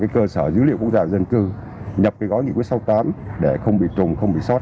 cơ sở dữ liệu quốc gia và dân cư nhập cái gói nghị quyết sáu mươi tám để không bị trùng không bị xót